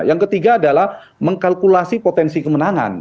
yang ketiga adalah mengkalkulasi potensi kemenangan